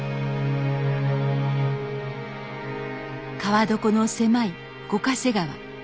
川床の狭い五ヶ瀬川。